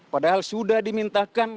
padahal sudah dimintakan